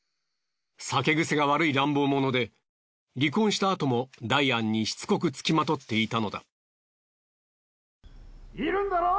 酒癖が悪い乱暴者で離婚したあともダイアンにしつこく付きまとっていたのだ。